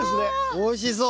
おいしそう！